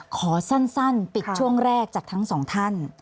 ขอสั้นปิดช่วงแรกจากทั้งสองท่าน